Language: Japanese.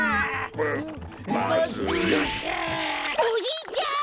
おじいちゃん！